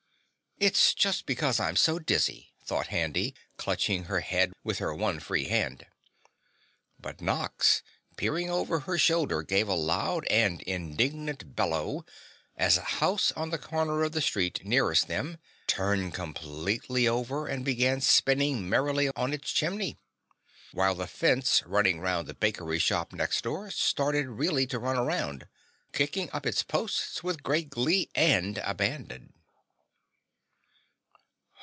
"It's just because I'm so dizzy," thought Handy, clutching her head with her one free hand. But Nox, peering over her shoulder gave a loud and indignant bellow as a house on the corner of the street nearest them turned completely over and began spinning merrily on its chimney, while the fence running round the bakery shop next door started really to run around, kicking up its posts with great glee and abandon.